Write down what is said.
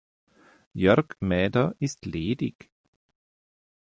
Jörg Mäder ist ledig.